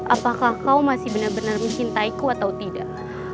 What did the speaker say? apakah kau masih benar benar mencintaiku atau tidak